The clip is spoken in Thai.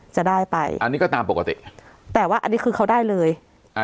จะได้ไปอันนี้ก็ตามปกติแต่ว่าอันนี้คือเขาได้เลยอ่า